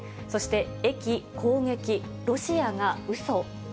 そして、駅攻撃、ロシアがうそ？